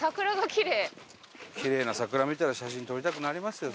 キレイな桜見たら写真撮りたくなりますよ